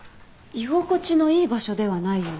居心地のいい場所ではないよね。